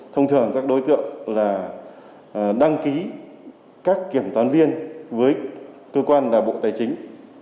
thông thường các đối tượng là đăng ký các kiểm toán viên với cơ quan bộ tài chính